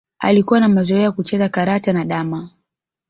Alikuwa na mazoea ya kucheza karata na damma